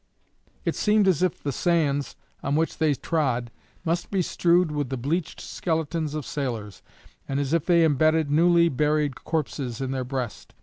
It seemed as if the sands on which they trod must be strewed with the bleached skeletons of sailors, and as if they embedded newly buried corpses in their breast.